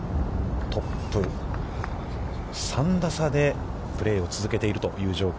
トップと３打差でプレーを続けているという状況。